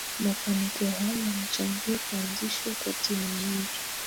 Mafanikio hayo yamechangia kuazishwa kwa timu nyingi